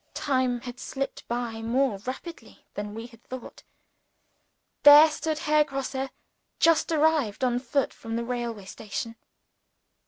Time had slipped by more rapidly than we had thought. There stood Herr Grosse, just arrived on foot from the railway station.